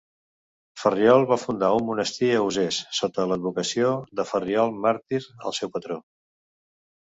Ferriol va fundar un monestir a Usès, sota l'advocació de Ferriol màrtir, el seu patró.